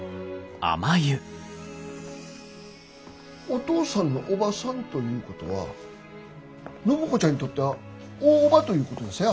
お父さんの叔母さんということは暢子ちゃんにとっては大叔母ということヤサヤ。